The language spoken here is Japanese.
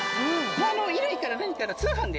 衣類から何から通販で。